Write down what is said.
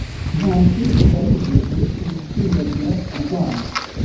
nta kindi tugamije uretse gutsindagira urwango